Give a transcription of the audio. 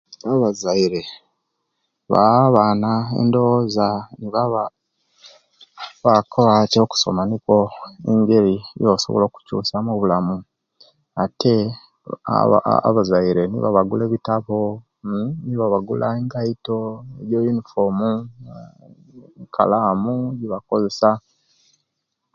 Abazaire bawa abaana endowoza nga babakoba nti okusoma nikwo engeri ejebasobola okukyusa mu obulamu ate abazaire nibo abagula ebitabo, bagula engaito, eunifomu, ekalamu ejibakozeasa